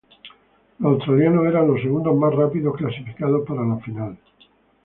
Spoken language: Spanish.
Los australianos eran los segundos más rápidos clasificados para la final.